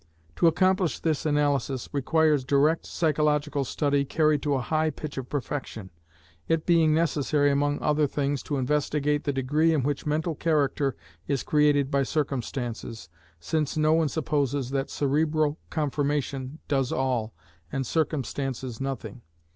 To accomplish this analysis requires direct psychological study carried to a high pitch of perfection; it being necessary, among other things, to investigate the degree in which mental character is created by circumstances, since no one supposes that cerebral conformation does all, and circumstances nothing.